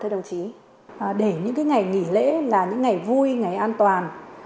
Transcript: để những ngày nghỉ lễ là những ngày vui ngày an toàn